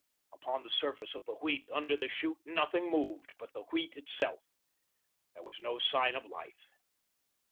Upon the surface of the Wheat, under the chute, nothing moved but the Wheat itself. There was no sign of life.